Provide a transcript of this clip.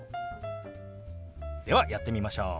ではやってみましょう！